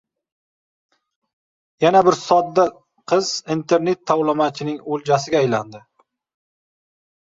Yana bir sodda qiz internet tovlamachining o‘ljasiga aylandi